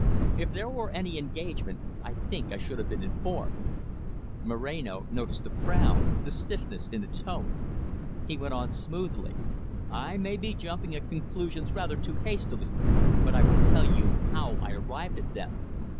If there were any engagement, I think I should have been informed." Moreno noticed the frown, the stiffness in the tone. He went on smoothly. "I may be jumping at conclusions rather too hastily, but I will tell you how I arrived at them.